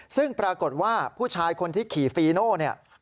ซึ่งปรากฏว่าผู้ชายคนที่ขี่ฟีโน่เนี่ย